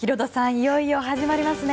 いよいよ始まりますね。